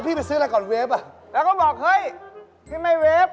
พี่บิ๊กไบท์ไหม